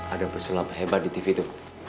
ada pesulap hebat di tv itu